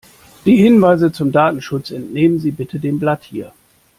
Die Hinweise zum Datenschutz entnehmen Sie bitte dem Blatt hier.